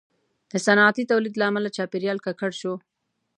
• د صنعتي تولید له امله چاپېریال ککړ شو.